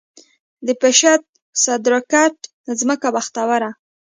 د پشد، صدرګټ ځمکه بختوره